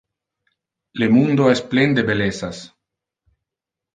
Le mundo es plen de bellessas.